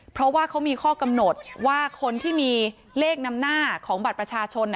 เพราะว่าเขามีข้อกำหนดว่าคนที่มีเลขนำหน้าของบัตรประชาชน